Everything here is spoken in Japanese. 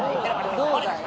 どうだい？